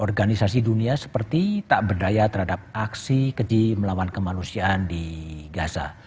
organisasi dunia seperti tak berdaya terhadap aksi keji melawan kemanusiaan di gaza